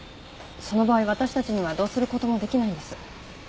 その場合私たちにはどうすることもできないんです。